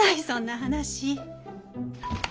そんな話。